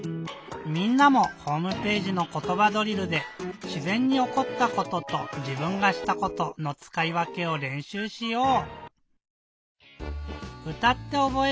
みんなもホームページの「ことばドリル」で「しぜんにおこったこと」と「じぶんがしたこと」のつかいわけをれんしゅうしよう。